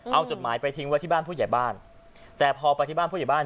เอาจดหมายไปทิ้งไว้ที่บ้านผู้ใหญ่บ้านแต่พอไปที่บ้านผู้ใหญ่บ้าน